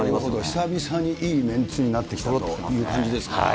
久々にいいメンツになってきたなという感じですね。